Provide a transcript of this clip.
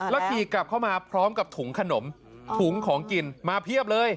ขี่กลับเข้ามาพร้อมกับถุงขนมถุงของกินมาเพียบเลย